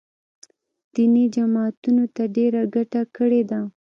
دیني جماعتونو ته ډېره ګټه کړې ده